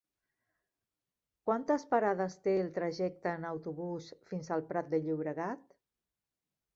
Quantes parades té el trajecte en autobús fins al Prat de Llobregat?